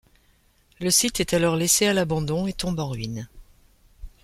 Le site est alors laissé à l’abandon et tombe en ruine.